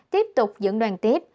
tiếp tục dẫn đoàn tiếp